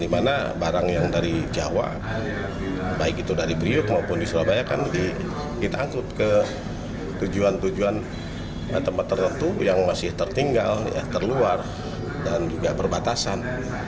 di mana barang yang dari jawa baik itu dari priuk maupun di surabaya kan kita angkut ke tujuan tujuan tempat tertentu yang masih tertinggal terluar dan juga perbatasan